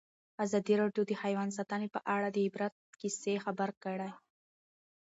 ازادي راډیو د حیوان ساتنه په اړه د عبرت کیسې خبر کړي.